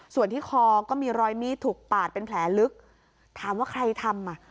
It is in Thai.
ส่วนที่คอก็มีรอยมีดถูกปาดเป็นแผลลึกถามว่าใครทำอ่ะ